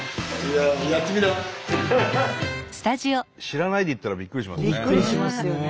知らないで行ったらびっくりしますね。